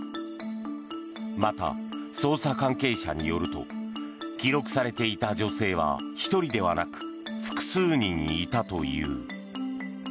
また、捜査関係者によると記録されていた女性は１人ではなく複数人いたという。